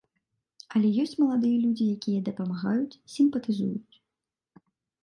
Але ёсць маладыя людзі, якія дапамагаюць, сімпатызуюць.